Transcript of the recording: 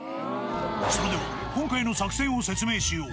それでは今回の作戦を説明しよう。